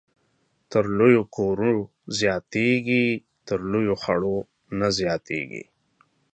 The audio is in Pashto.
تر لويو کورو زياتېږي ، تر لويو خړو نه زياتېږي